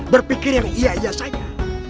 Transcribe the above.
berpikir yang iya iya saja